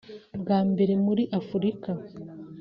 Bwa mbere muri Afurika